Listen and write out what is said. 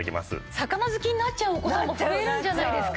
魚好きになっちゃうお子さんも増えるんじゃないですか？